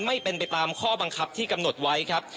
ไม่เป็นไปตามข้อบังคับที่กำหนดไว้ครับ